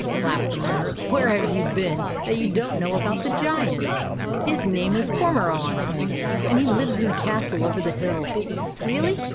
laughed the men. " Where have you been that you don't know about the Giant? His name is Cormoran, and he lives in the castle over the hill." " Really